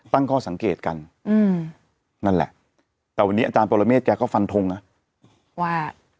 ตั้งข้อสังเกตกันอืมนั่นแหละแต่วันนี้อาจารย์ปรเมฆแกก็ฟันทงนะว่า